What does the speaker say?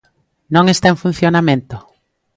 ¿Non está en funcionamento?